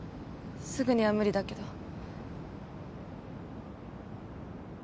すぐには無理だけど。